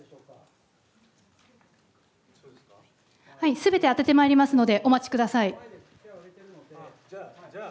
すべてあててまいりますので、お待ちください。